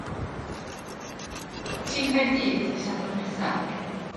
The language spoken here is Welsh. Ti yng Nghaerdydd dydd Sadwrn nesa?